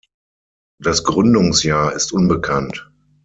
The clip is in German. Das Gründungsjahr ist unbekannt.